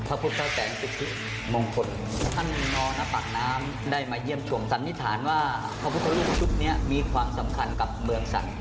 พระพุทธแสงสุธิมงคลท่านนนภากน้ำได้มาเยี่ยมส่วนสันนิษฐานว่าพระพุทธรุ่นทุกนี้มีความสำคัญกับเมืองศักดิ์